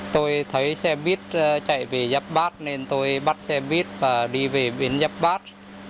tôi thấy xe buýt chạy về dắp bát nên tôi bắt xe buýt và đi về bên dắp bát